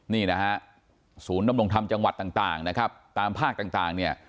นี่นะครับศูนย์นำลงทำจังหวัดต่างครับตามภาคต่างเนี่ย